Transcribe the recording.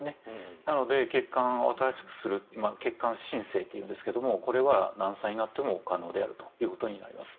なので、血管を新しくする血管新生というんですがこれは何歳になっても可能であるということになります。